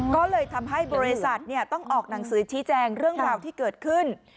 ก็เลยทำให้บริษัทต้องออกหนังสือชี้แจงเรื่องราวที่เกิดขึ้น